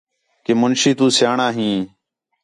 کہ مُنشی تو سیاݨاں ہیں